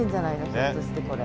ひょっとしてこれ。